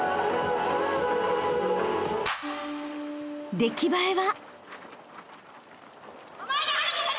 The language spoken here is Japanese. ［出来栄えは］